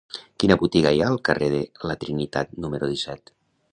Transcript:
Quina botiga hi ha al carrer de la Trinitat número disset?